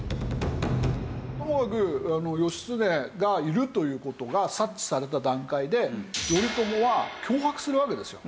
ともかく義経がいるという事が察知された段階で頼朝は脅迫するわけですよ。